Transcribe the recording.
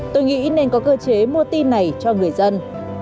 tôi nghĩ nên có cơ chế mua tin này cho người dân